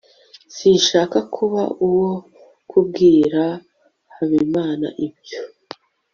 sinshaka kuba uwo kubwira habimana ibyo